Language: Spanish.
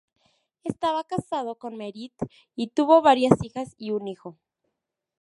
Estaba casado con Merit y tuvo varias hijas y un hijo.